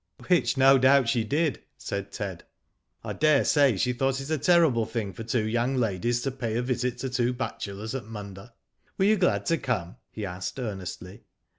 " Which no doubt she did," said Ted. " I dare say she thought it a terrible thing for two young ladies to pay a visit to two bachelors at Munda. Were you glad to come?" he asked, earnestly.